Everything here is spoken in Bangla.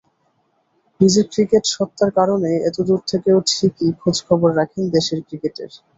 নিজের ক্রিকেট সত্তার কারণেই এতদূর থেকেও ঠিকই খোঁজ-খবর রাখেন দেশের ক্রিকেটের।